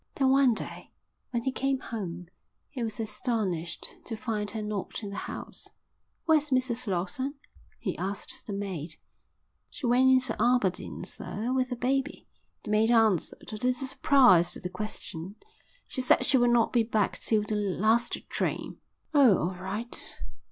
Then one day, when he came home, he was astonished to find her not in the house. "Where's Mrs Lawson?" he asked the maid. "She went into Aberdeen, Sir, with the baby," the maid answered, a little surprised at the question. "She said she would not be back till the last train." "Oh, all right."